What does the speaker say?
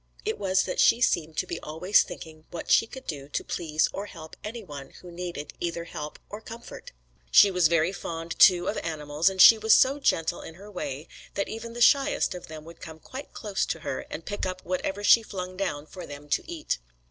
It was that she seemed to be always thinking what she could do to please or help anyone who needed either help or comfort. She was very fond, too, of animals, and she was so gentle in her way, that even the shyest of them would come quite close to her, and pick up whatever she flung down for them to eat.